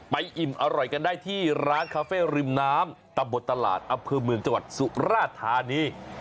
อิ่มอร่อยกันได้ที่ร้านคาเฟ่ริมน้ำตำบลตลาดอำเภอเมืองจังหวัดสุราธานี